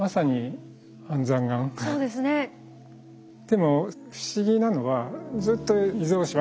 でも不思議なのはずっと伊豆大島